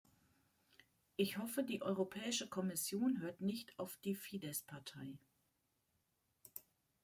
Ich hoffe, die Europäische Kommission hört nicht auf die Fidesz-Partei.